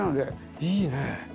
いいね。